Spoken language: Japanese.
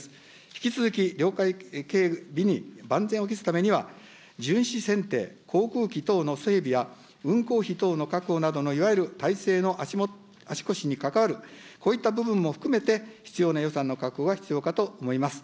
引き続き領海警備に万全を期すためには、巡視船艇、航空機等の整備や運航費等の確保などのいわゆる体制の足腰に関わるこういった部分も含めて、必要な予算の確保が必要かと思います。